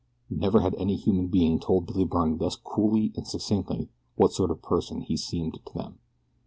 Never had any human being told Billy Byrne thus coolly and succinctly what sort of person he seemed to them.